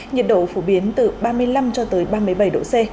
nhiệt độ phổ biến từ ba mươi năm cho tới ba mươi bảy độ c